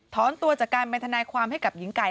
ตัวจากการเป็นทนายความให้กับหญิงไก่